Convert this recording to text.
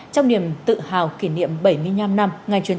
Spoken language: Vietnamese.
trong niềm tự hào kỷ niệm bảy mươi năm năm